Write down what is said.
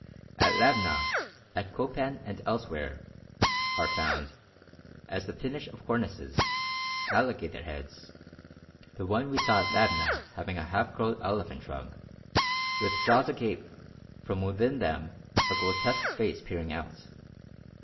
At Labna, at Copan and elsewhere, are found, as the finish of cornices, alligators' heads the one we saw at Labna having a half curled "elephant trunk," with jaws agape, from within them a grotesque face peering out.